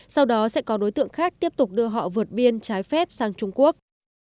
sau đó sẽ có đối tượng khác tiếp tục đưa họ vượt biên trái phép sang trung quốc